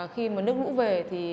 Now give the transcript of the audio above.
khi nước lũ về